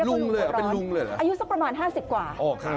ลุงเลยเหรอเป็นลุงเลยเหรออายุสักประมาณห้าสิบกว่าอ๋อค่ะ